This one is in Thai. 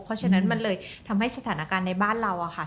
เพราะฉะนั้นมันเลยทำให้สถานการณ์ในบ้านเรา